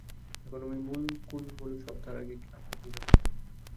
এখন আমি মূল খলমুলুমসব তার আগে আপনি কি খাবেন?